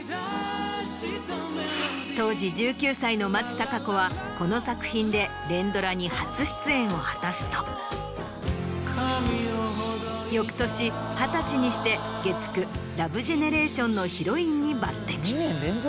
当時１９歳の松たか子はこの作品で連ドラに初出演を果たすと翌年二十歳にして月９。のヒロインに抜てき。